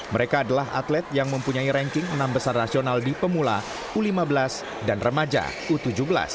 mereka adalah atlet yang mempunyai ranking enam besar rasional di pemula u lima belas dan remaja u tujuh belas